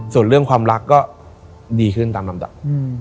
ส่วนเรื่องความรักก็ดีขึ้นตามลำดับ